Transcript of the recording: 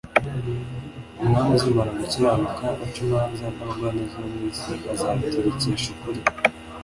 Umwami uzimana gukiranuka, ac’imanza, ‘‘n’abagwaneza bo mu isi azabategekesha ukuri ;